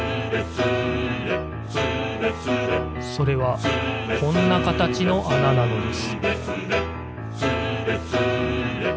それはこんなかたちのあななのです